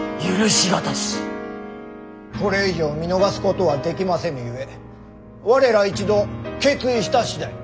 これ以上見逃すことはできませぬゆえ我ら一同決意した次第。